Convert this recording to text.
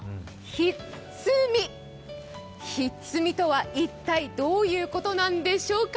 ひっつみとは一体どういうことなんでしょうか。